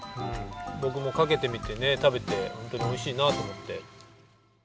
ぼくもかけてみてね食べてホントにおいしいなとおもって。